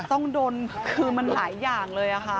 ต้องโดนคือมันหลายอย่างเลยค่ะ